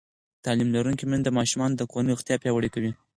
تعلیم لرونکې میندې د ماشومانو د کورنۍ روغتیا پیاوړې کوي.